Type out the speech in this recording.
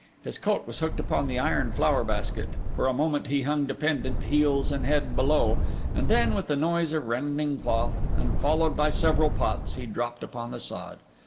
His coat was hooked upon the iron flower basket; for a moment he hung dependent heels and head below; and then, with the noise of rending cloth, and followed by several pots, he dropped upon the sod.